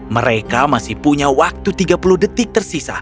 mereka masih punya waktu tiga puluh detik tersisa